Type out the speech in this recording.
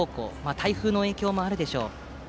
台風の影響もあるでしょう。